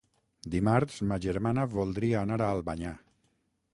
Dimarts ma germana voldria anar a Albanyà.